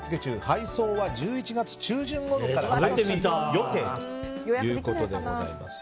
配送は１１月中旬ごろから開始予定ということでございます。